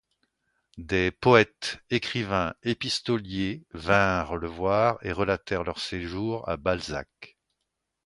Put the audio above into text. Des poètes, écrivains, épistoliers, vinrent le voir et relatèrent leurs séjours à Balzac.